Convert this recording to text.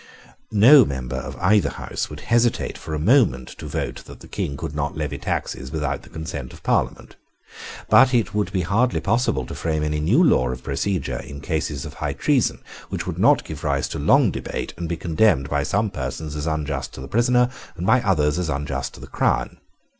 No member of either House would hesitate for a moment to vote that the King could not levy taxes without the consent of Parliament: but it would be hardly possible to frame any new law of procedure in cases of high treason which would not give rise to long debate, and be condemned by some persons as unjust to the prisoner, and by others as unjust to the crown.